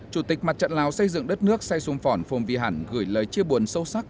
chủ tịch mặt trận lào xây dựng đất nước say sung phỏn phong vy hẳn gửi lời chia buồn sâu sắc